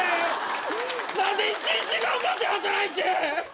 何で一日頑張って働いて。